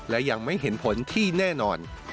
และยังไม่เห็นผลที่แน่นอน